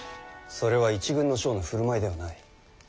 それは一軍の将の振る舞いではない。